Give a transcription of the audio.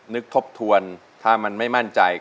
นึกทบทวนถ้ามันไม่มั่นใจก็บอกมาเลยนะครับว่า